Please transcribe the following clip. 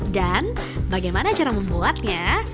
dan bagaimana cara membuatnya